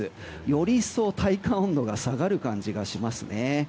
より一層、体感温度が下がる感じがしますね。